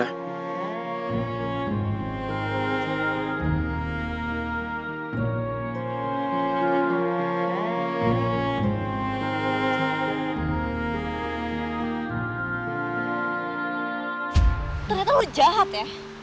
ternyata lo jahat ya